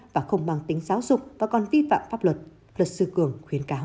và không mang tính giáo dục và còn vi phạm pháp luật luật sư cường khuyến cáo